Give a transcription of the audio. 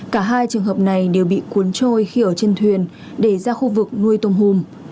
cả hai trường hợp này đều bị cuốn trôi khi ở trên thuyền để ra khu vực nuôi tôm hùm